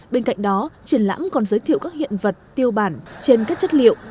bên cạnh đó triển lãm còn giới thiệu các hiện vật tiêu bản trên các chất liệu